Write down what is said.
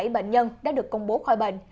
bệnh nhân đã được công bố khỏi bệnh